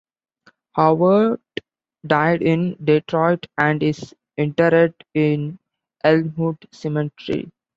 Howard died in Detroit and is interred in Elmwood Cemetery.